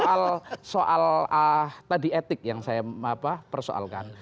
soal tadi etik yang saya persoalkan